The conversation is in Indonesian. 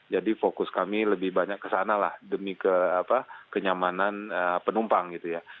jadi fokus kami lebih banyak ke sana lah demi kenyamanan penumpang gitu ya